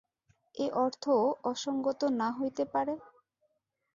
এ অর্থও অসঙ্গত না হইতে পারে।